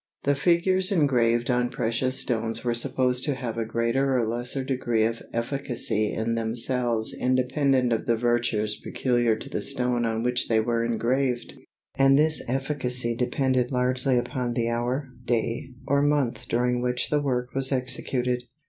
The figures engraved on precious stones were supposed to have a greater or lesser degree of efficacy in themselves independent of the virtues peculiar to the stone on which they were engraved, and this efficacy depended largely upon the hour, day, or month during which the work was executed.